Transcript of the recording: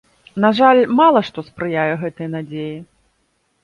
На жаль, мала што спрыяе гэтай надзеі.